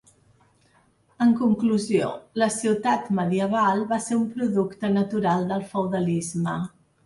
En conclusió, la ciutat medieval va ser un producte natural del feudalisme.